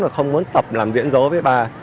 và không muốn tập làm diễn dỗ với ba